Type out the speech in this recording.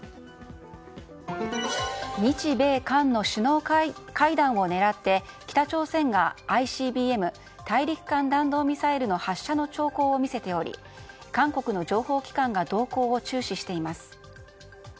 日米韓の首脳会談を狙って北朝鮮がＩＣＢＭ・大陸間弾道ミサイルの発射の兆候を見せており韓国の情報機関が動向を注視しています。